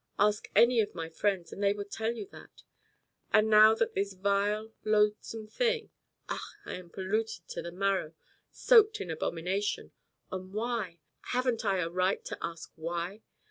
Ask any of my friends and they would tell you that. And now that this vile, loathsome thing ach, I am polluted to the marrow, soaked in abomination! And why? Haven't I a right to ask why?